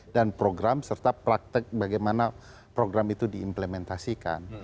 dan program serta praktek bagaimana program itu diimplementasikan